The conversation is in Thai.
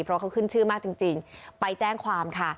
เพราะเขาขึ้นชื่อมากจริงไปแจ้งความค่ะ